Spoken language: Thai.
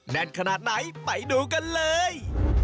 แน่นขนาดไหนไปดูกันเลย